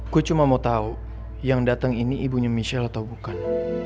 gue cuma mau tahu yang datang ini ibunya michelle atau bukan